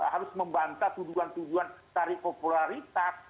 harus membantah tujuan tujuan tarik popularitas